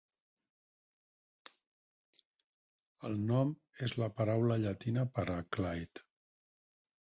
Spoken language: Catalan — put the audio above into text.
El nom és la paraula llatina per a Clyde.